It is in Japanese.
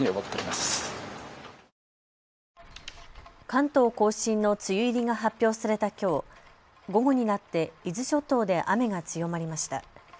関東甲信の梅雨入りが発表されたきょう、午後になって伊豆諸島で雨が強まりました。